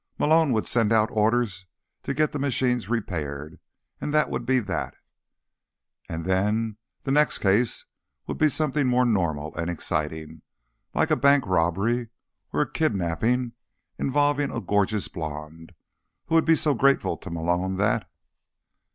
Malone would send out orders to get the machines repaired, and that would be that. And then the next case would be something both normal and exciting, like a bank robbery or a kidnapping involving a gorgeous blonde who would be so grateful to Malone that....